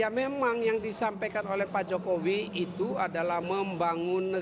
ya memang yang disampaikan oleh pak jokowi itu adalah membangun negara